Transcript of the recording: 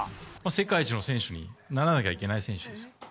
世界一の選手にならなきゃいけない選手ですよ。